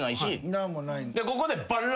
ここで。